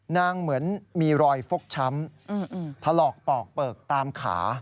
เหมือนมีรอยฟกช้ำถลอกปอกเปลือกตามขา